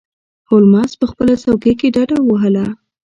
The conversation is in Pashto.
هولمز په خپله څوکۍ کې ډډه ووهله.